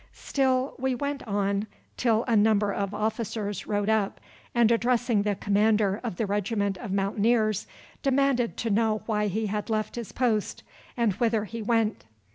Still we went on till a number of officers rode up, and addressing the commander of the regiment of Mountaineers, demanded to know why he had left his post, and whither he went.